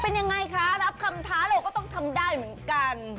เป็นยังไงคะรับคำท้าเราก็ต้องทำได้เหมือนกัน